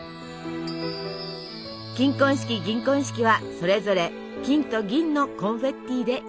金婚式銀婚式はそれぞれ金と銀のコンフェッティで祝います。